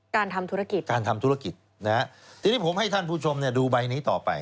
การทำธุรกิจการทำธุรกิจนะฮะทีนี้ผมให้ท่านผู้ชมดูใบนี้ต่อไป